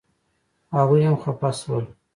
هغوی هم خپه شول.